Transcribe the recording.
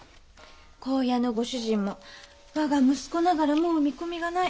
香屋のご主人も我が息子ながらもう見込みがない。